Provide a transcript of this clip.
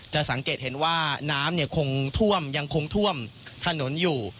จะสังเกตว่าน้ำยังคงถ้วมถนนอยู่